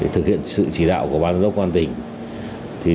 thực hiện sự chỉ đạo của ban lực lượng công an tỉnh